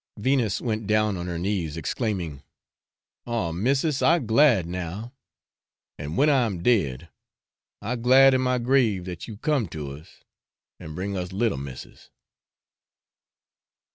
Venus went down on her knees, exclaiming, 'Oh, missis, I glad now; and when I am dead, I glad in my grave that you come to us and bring us little missis.'